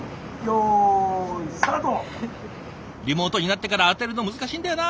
リモートになってから当てるの難しいんだよな。